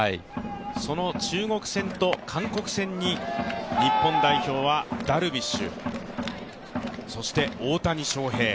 その中国戦と韓国戦に日本代表はダルビッシュそして大谷翔平。